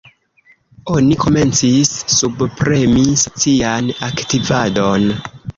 Oni komencis subpremi socian aktivadon.